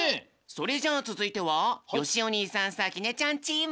それじゃあつづいてはよしお兄さんさきねちゃんチーム！